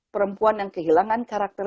perempuan yang kehilangan karakter